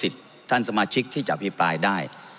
ท่านสมาชิกที่จะอภิปรายได้